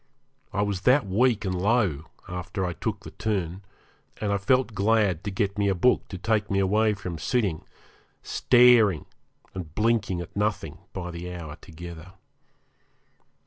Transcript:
I was that weak and low, after I took the turn, and I felt glad to get a book to take me away from sitting, staring, and blinking at nothing by the hour together.